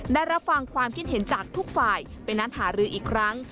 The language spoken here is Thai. ได้รับฟังความคิดเห็นจากทุกฝ่ายไปนัดหารืออีกครั้ง